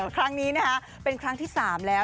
ครั้งนี้นะคะเป็นครั้งที่๓แล้ว